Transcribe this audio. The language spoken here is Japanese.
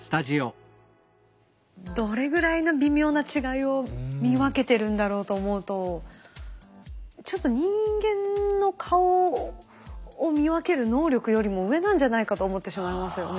どれぐらいの微妙な違いを見分けてるんだろうと思うとちょっと人間の顔を見分ける能力よりも上なんじゃないかと思ってしまいますよね。